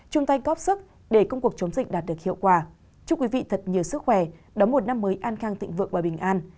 chung tay góp sức để công cuộc chống dịch đạt được hiệu quả chúc quý vị thật nhiều sức khỏe đóng một năm mới an khang thịnh vượng và bình an